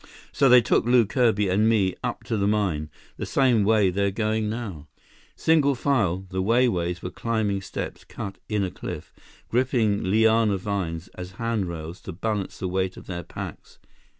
So they took Lew Kirby and me up to the mine, the same way they're going now." Single file, the Wai Wais were climbing steps cut in a cliff, gripping liana vines as handrails to balance the weight of their packs.